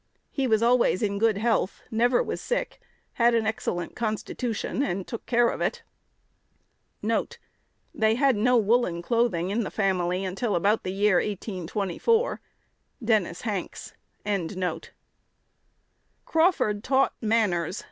"He was always in good health, never was sick, had an excellent constitution, and took care of it." 1 "They had no woollen clothing in the family until about the year 1824." Dennis Hanks. Crawford taught "manners."